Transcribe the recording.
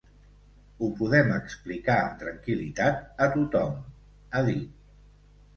Ho podem explicar amb tranquil·litat a tothom, ha dit.